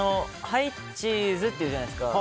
ハイ、チーズって言うじゃないですか。